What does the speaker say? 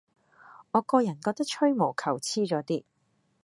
我個人覺得吹毛求疵左啲